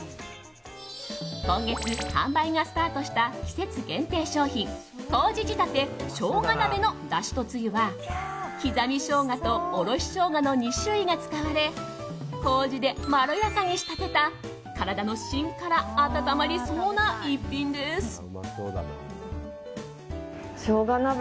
今月、販売がスタートした季節限定商品麹仕立て生姜鍋のだしとつゆは刻みショウガとおろしショウガの２種類が使われ麹でまろやかに仕立てた体の芯から温まりそうな逸品です。